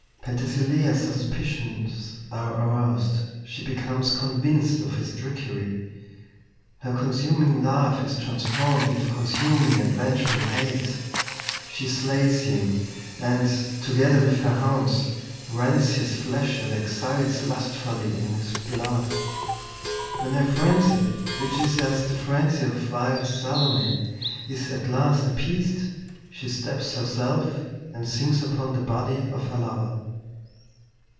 Penthesilea's suspicions are aroused; she becomes convinced of his trickery. Her consuming love is transformed into consuming and vengeful hate. She slays him, and, together with her hounds, rends his flesh and exults lustfully in his blood. When her frenzy which is as the frenzy of Wilde's "Salome" is at last appeased, she stabs herself and sinks upon the body of her lover.